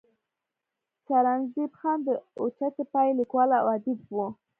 سرنزېب خان د اوچتې پائې ليکوال او اديب وو